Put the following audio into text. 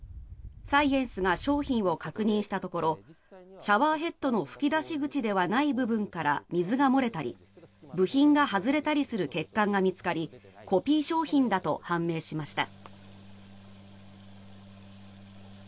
サイエンスが商品を確認したところシャワーヘッドの噴き出し口ではない部分から水が漏れたり部品が外れたりする欠陥が見つかりコピー商品だと判明しました。